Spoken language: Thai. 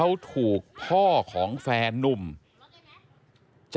ไอ้แม่ได้เอาแม่ได้เอาแม่